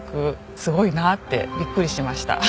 すごいなってビックリしました。